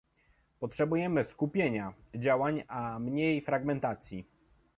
Potrzebujemy skupienia działań, a mniej fragmentacji